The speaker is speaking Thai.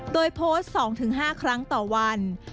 โดยโพสต์๒๕ครั้งต่อวัน